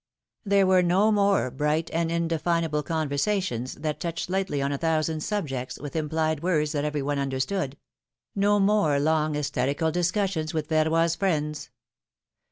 211 There were no more bright and indefinable conversa tions, that touched lightly on a thousand subjects, with implied words that every one understood ; no more long sesthetical discussions with Verroy's friends!